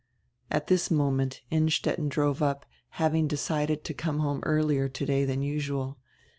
At diis moment Innstetten drove up, having decided to come home earlier today dian usual.